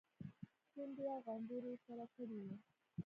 شونډې او غومبري يې سره کړي وو.